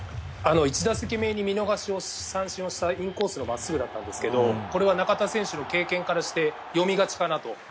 １打席目に見逃し三振をしたインコースの真っすぐでしたがこれは中田選手の経験からして読み勝ちかなと。